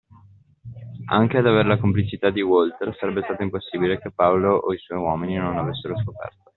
Anche ad aver la complicità di Walter, sarebbe stato impossibile che Paolo o i suoi uomini non l'avessero scoperta.